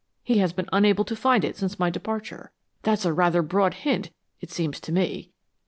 He has been unable to find it since my departure. That's a rather broad hint, it seems to me."